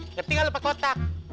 ngerti gak lu pake otak